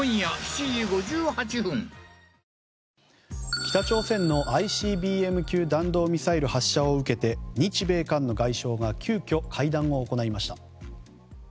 北朝鮮のＩＣＢＭ級弾道ミサイル発射を受けて日米韓の外相が急きょ会談を行いました。